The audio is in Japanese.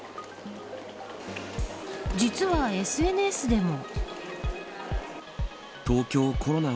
実はＳＮＳでも。